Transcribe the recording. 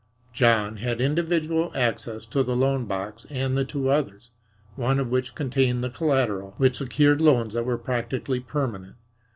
John had individual access to the loan box and the two others one of which contained the collateral which secured loans that were practically permanent.